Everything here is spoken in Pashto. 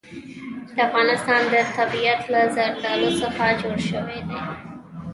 د افغانستان طبیعت له زردالو څخه جوړ شوی دی.